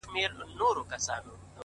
نوره گډا مه كوه مړ به مي كړې،